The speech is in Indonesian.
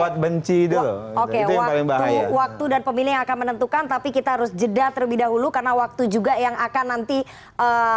waktu waktu dan pemilih itu ili bunyinya akan menentukan tapi kita harus jeda terlebih dahulu karena waqtu juga akan memisahkan kita tapi setelah itu begini ya